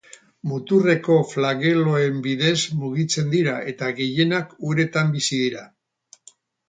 Muturreko flageloen bidez mugitzen dira eta gehienak uretan bizi dira.